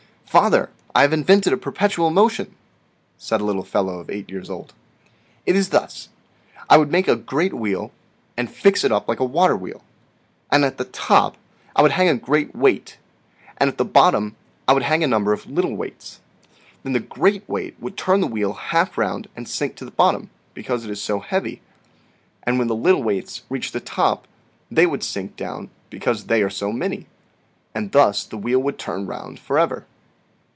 "* Father, I have invented a perpetual motion ! J said a little fellow of eight years old. ' It is thus : I would make a great wheel, and fix it up like a water wheel; at the top I would hang a great weight, and at the bottom I would hang a number of little weights; then the great weight PERPETUAL MOTION 6$ would turn the wheel half round and sink to the bottom, because it is so heavy: and when the little weights reach the top they would sink down, because they are so many; and thus the wheel would turn round for ever.